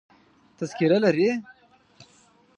تذکره لرې؟